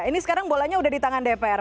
ini sekarang bolanya udah di tangan dpr